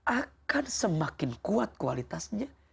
akan semakin kuat kualitasnya